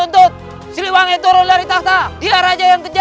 untuk menghukum kejoliman silewangi